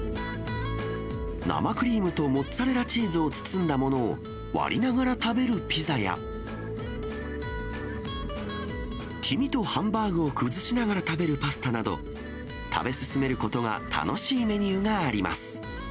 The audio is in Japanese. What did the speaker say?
生クリームとモッツァレラチーズを包んだものを、割りながら食べるピザや、黄身とハンバーグを崩しながら食べるパスタなど、食べ進めることが楽しいメニューがあります。